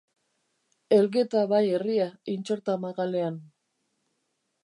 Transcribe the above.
Elgeta bai herria Intxorta magalean.